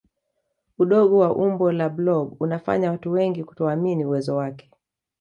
udogo wa umbo la blob unafanya watu wengi kutoamini uwezo wake